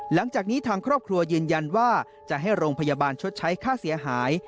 หลังจากนี้ทางครอบครัวยืนยันว่าจะให้โรงพยาบาลชดใช้ค่าเสียหาย